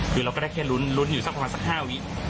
เราก็ได้แค่ลุ้นลุ้นอยู่สักประมาณ๕วิ